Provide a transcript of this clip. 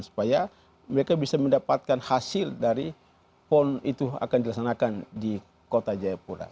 supaya mereka bisa mendapatkan hasil dari pon itu akan dilaksanakan di kota jayapura